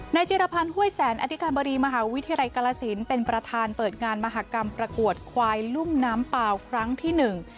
จิรพันธ์ห้วยแสนอธิการบดีมหาวิทยาลัยกรสินเป็นประธานเปิดงานมหากรรมประกวดควายลุ่มน้ำเปล่าครั้งที่หนึ่ง